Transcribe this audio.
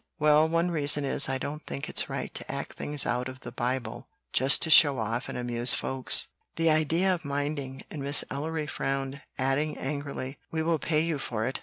"Well, one reason is I don't think it's right to act things out of the Bible just to show off and amuse folks." "The idea of minding!" and Miss Ellery frowned, adding angrily, "We will pay you for it.